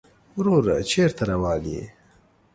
وروره چېرته روان يې؟